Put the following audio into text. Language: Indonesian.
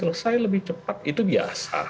selesai lebih cepat itu biasa